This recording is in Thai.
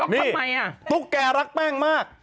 นี่ตุ๊กแกรักแป้งมาก